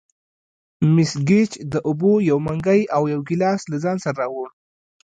مس ګېج د اوبو یو منګی او یو ګیلاس له ځان سره راوړ.